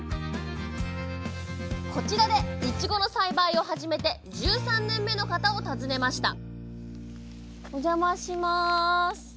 こちらでいちごの栽培を始めて１３年目の方を訪ねましたおじゃまします。